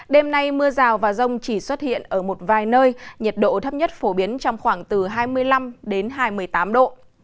đêm nay mưa rào và rông chỉ xuất hiện ở một vài nơi nhiệt độ thấp nhất phổ biến trong khoảng từ hai mươi năm đến hai mươi tám độ